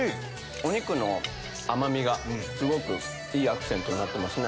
お肉の甘みがすごくいいアクセントになってますね。